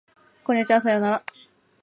こんにちはさようなら